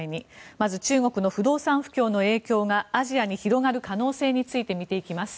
まず中国の不動産不況の影響がアジアに広がる可能性について見ていきます。